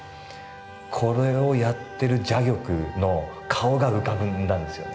これをやってる蛇玉の顔が浮かんだんですよね。